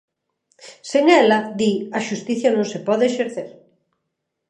Sen ela, di, "a xustiza non se pode exercer".